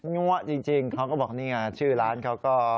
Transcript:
น้วะจริงเขาก็บอกชื่อร้านเขาก็